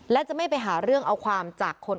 และจะไม่ไปหาเรื่องเอาความจากคน